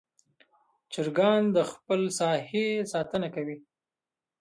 چرګان د خپل ساحې ساتنه کوي.